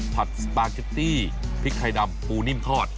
สปาเกตตี้พริกไทยดำปูนิ่มทอด